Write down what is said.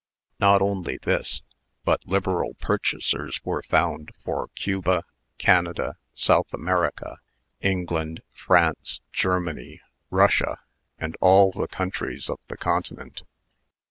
Not only this, but liberal purchasers were found for Cuba, Canada, South America, England, France, Germany, Russia, and all the countries of the Continent.